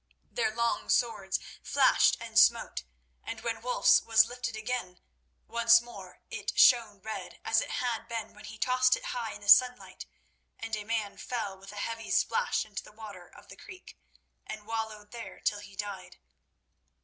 Their long swords flashed and smote, and when Wulf's was lifted again, once more it shone red as it had been when he tossed it high in the sunlight, and a man fell with a heavy splash into the waters of the creek, and wallowed there till he died.